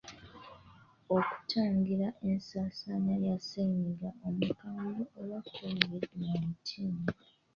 Okutangira ensaasaana ya ssennyiga omukambwe oba Kovidi nineteen.